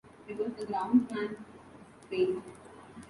It was the groundsman's paint.